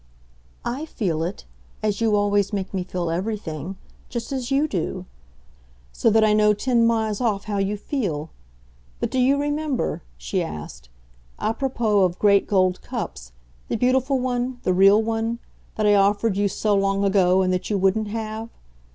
"I feel it, as you always make me feel everything, just as you do; so that I know ten miles off how you feel! But do you remember," she asked, "apropos of great gold cups, the beautiful one, the real one, that I offered you so long ago and that you wouldn't have?